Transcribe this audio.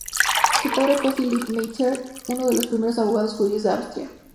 Su padre fue Philipp Meitner, uno de los primeros abogados judíos de Austria.